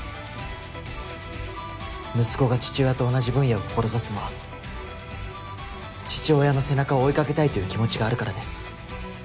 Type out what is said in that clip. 息子が父親と同じ分野を志すのは父親の背中を追いかけたいという気持ちがあるからです。